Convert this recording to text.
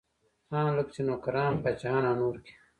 ان لکه په نوکران، پاچاهان او نور کې.